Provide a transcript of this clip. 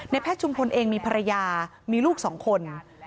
แพทย์ชุมพลเองมีภรรยามีลูกสองคน